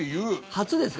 初ですか？